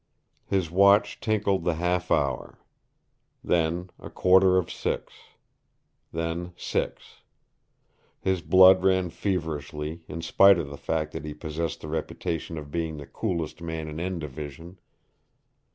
His watch tinkled the half hour. Then a quarter of six. Then six. His blood ran feverishly, in spite of the fact that he possessed the reputation of being the coolest man in N Division.